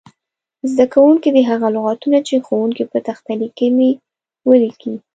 زده کوونکي دې هغه لغتونه چې ښوونکی په تخته لیکي ولیکي.